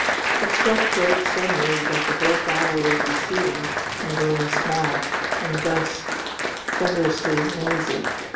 It struck Bert suddenly that the whole battle was receding and growing small and less thunderously noisy.